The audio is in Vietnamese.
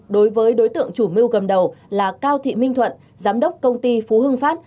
đối với đối tượng chủ mưu cầm đầu là cao thị minh thuận giám đốc công ty phú hưng phát